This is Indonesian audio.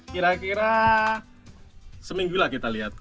kira kira seminggu lah kita lihat